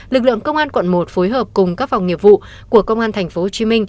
lực lượng công an quận một phối hợp cùng các phòng nghiệp vụ của công an tp hcm